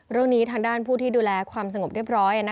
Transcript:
เรื่องนี้ทางด้านผู้ที่ดูแลความสงบเรียบร้อย